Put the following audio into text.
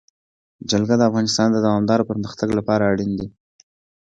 جلګه د افغانستان د دوامداره پرمختګ لپاره اړین دي.